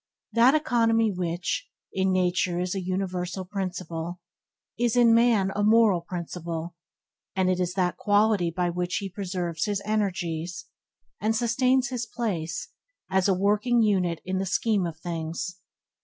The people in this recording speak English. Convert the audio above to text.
That economy which, in nature is a universal principle, is in man a moral quality and it is that quality by which he preserves his energies, and sustains his place as a working unit in the scheme of things.